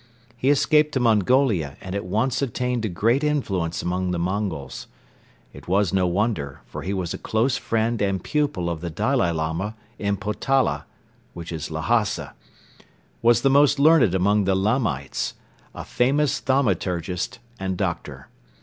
He escaped to Mongolia and at once attained to great influence among the Mongols. It was no wonder, for he was a close friend and pupil of the Dalai Lama in Potala (Lhasa), was the most learned among the Lamites, a famous thaumaturgist and doctor.